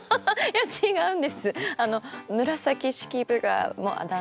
いえ違うんです。